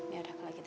yaudah kalau gitu